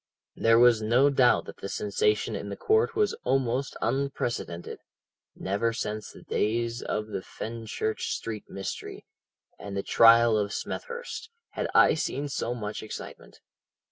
"' "There was no doubt that the sensation in court was almost unprecedented. Never since the days of the Fenchurch Street mystery, and the trial of Smethurst, had I seen so much excitement.